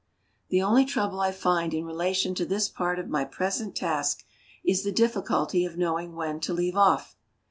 The only trouble I find in relation to this part of my present task is the difficulty of knowing when to leave off.